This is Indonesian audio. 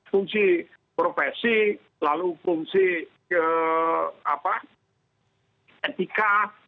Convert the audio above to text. fungsi profesi lalu fungsi etika